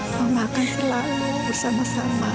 mama akan selalu bersama sama